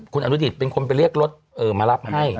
คุณอันตูดิสเป็นคนไปเรียกรถมารับ